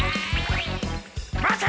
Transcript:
待て！